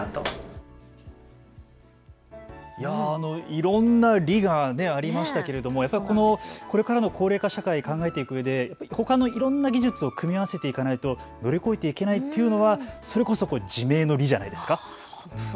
いろんな理がありましたけどこれからの高齢化社会を考えていくうえでほかのいろんな技術を組み合わせていかないと乗り越えていけないというのはそれこそ自明の理じゃないですか。